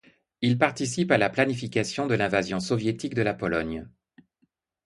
Il participe à la planification de l'invasion soviétique de la Pologne.